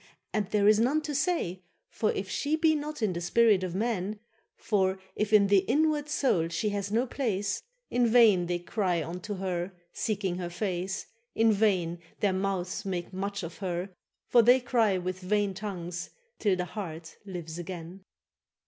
and there is none to say; For if she be not in the spirit of men, For if in the inward soul she hath no place, In vain they cry unto her, seeking her face, In vain their mouths make much of her; for they Cry with vain tongues, till the heart lives again.